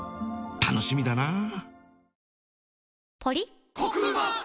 楽しみだな